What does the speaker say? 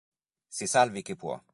Si salvi chi può